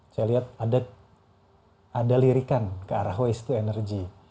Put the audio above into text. saya lihat ada lirikan ke arah waste to energy